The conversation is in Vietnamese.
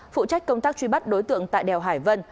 phụ trách công tác truy bắt đối tượng tại đèo hải vân